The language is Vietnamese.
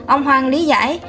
ông hoan lý giải